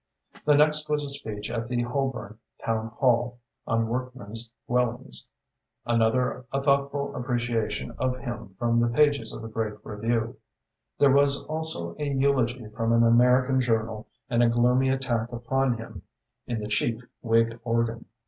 The next was a speech at the Holborn Town Hall, on workmen's dwellings, another a thoughtful appreciation of him from the pages of a great review. There was also a eulogy from an American journal and a gloomy attack upon him in the chief Whig organ.